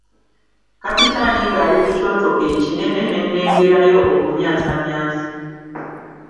Kapitaani ng'ali ku kyoto ekinene ne nnengerayo okumyamyansa.